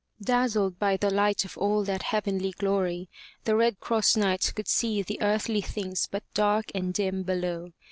'' Dazzled by the light of all that heavenly glory, the Red Cross Knight could see the earthly things but dark and dim below.